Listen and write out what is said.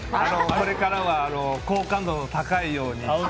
これからは好感度高いように。